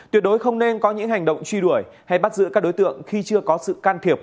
tuyệt đối không nên có những hành động truy đuổi hay bắt giữ các đối tượng khi chưa có sự can thiệp